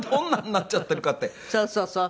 そうそうそう。